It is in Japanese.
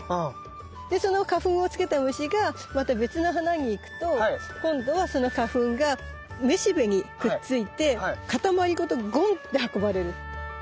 でその花粉をつけた虫がまた別の花に行くと今度はその花粉がめしべにくっついてかたまりごとゴンって運ばれる。